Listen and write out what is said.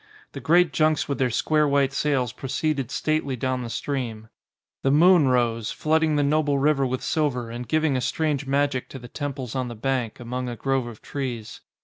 The great junks with their square white sails proceeded stately down the stream. The moon rose, flooding the noble river with silver and giving a strange magic to the temples on the bank, 14.4 THE SEVENTH DAT ADVENTIST among a grove of trees.